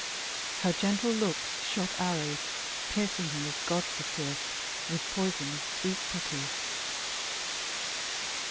Her gentle looks shot arrows, piercing him As gods are pierced, with poison of sweet pity.